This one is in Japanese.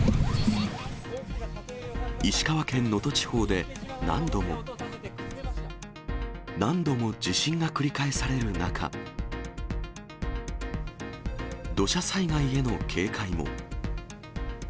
石川県能登地方で、何度も、何度も地震が繰り返される中、土砂災害への警戒も。